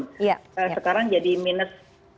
sekarang jadi minus